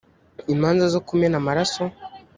imanza zo kumena amaraso